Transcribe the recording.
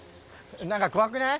何か怖くない？